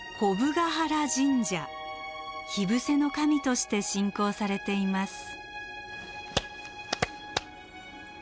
火伏せの神として信仰されています。